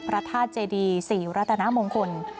พระทาเจดีศรีวรษณะมงคล